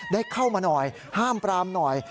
ได้เข้ามาหน่อยห้ามปรามหน่อย